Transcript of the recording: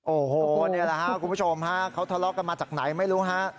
โอ้โหนี่แหละครับคุณผู้ชมฮะเขาทะเลาะกันมาจากไหนไม่รู้ฮะ